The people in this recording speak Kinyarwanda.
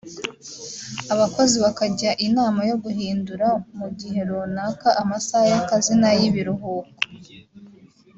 abakozi bakajya inama yo guhindura mu gihe runaka amasaha y’akazi n’ay’ibiruhuko